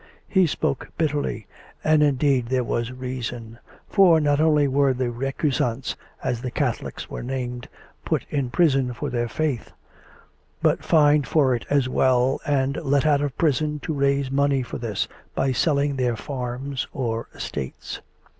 He spoke bitterly; and, indeed, there was reason; for not only were the recusants (as the Catholics were named) put in prison for their faith, but fined for it as well, and let out of prison to raise money for this, by selling their farms or estates.